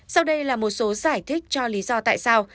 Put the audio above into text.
sau đây là một số giải thích cho lý do tại sao